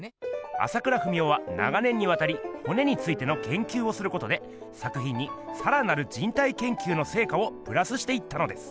朝倉文夫は長年にわたり骨についてのけんきゅうをすることで作品にさらなる人体研究のせいかをプラスしていったのです。